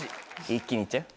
一気にいっちゃう？